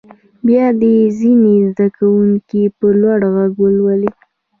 بیا دې ځینې زده کوونکي په لوړ غږ ولولي.